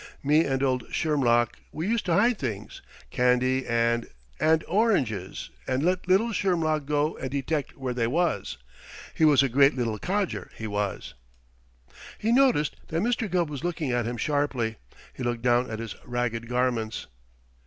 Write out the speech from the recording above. Me and old Shermlock we used to hide things candy and and oranges and let little Shermlock go and detect where they was. He was a great little codger, he was." He noticed that Mr. Gubb was looking at him sharply. He looked down at his ragged garments.